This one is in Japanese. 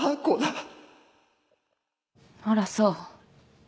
あらそう。